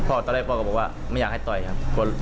ตอนแรกพ่อก็บอกว่าไม่อยากให้ต่อยครับ